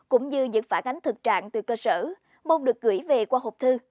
cũng như những phản ánh thực trạng từ cơ sở mong được gửi về qua hộp thư